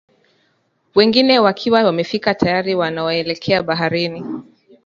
Wengine wakiwa wamefika tayari wanakoelekea baharini